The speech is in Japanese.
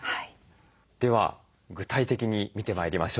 では具体的に見てまいりましょう。